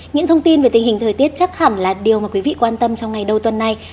những thông tin về tình hình thời tiết chắc hẳn là điều mà quý vị quan tâm trong ngày đầu tuần này